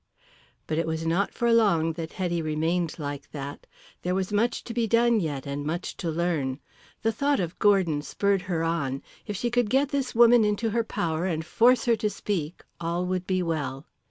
But it was not for long that Hetty remained like that. There was much to be done yet and much to learn. The thought of Gordon spurred her on. If she could get this woman into her power and force her to speak, all would be well.